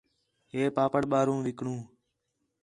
ہے پاپڑ ٻاہروں وکݨے